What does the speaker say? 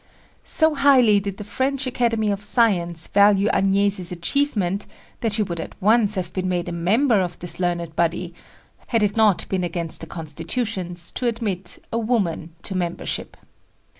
So highly did the French Academy of Science value Agnesi's achievement that she would at once have been made a member of this learned body had it not been against the constitutions to admit a woman to membership.